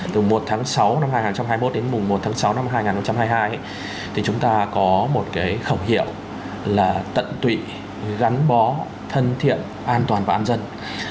tận tụy gắn bó thân thiện an toàn và an dân